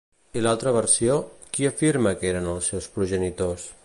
I l'altra versió, qui afirma que eren els seus progenitors?